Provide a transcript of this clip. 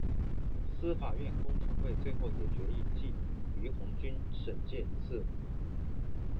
司法院公惩会最后也议决记俞鸿钧申诫一次。